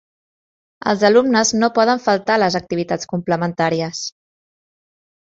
Els alumnes no poden faltar a les activitats complementàries.